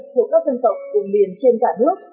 của các dân tộc của miền trên cả nước